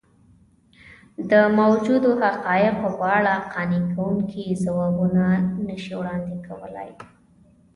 د موجودو حقایقو په اړه قانع کوونکي ځوابونه نه شي وړاندې کولی.